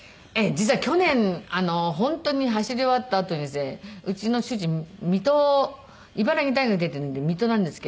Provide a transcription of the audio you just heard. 実は去年本当に走り終わったあとにですねうちの主人水戸茨城大学出ているんで水戸なんですけど。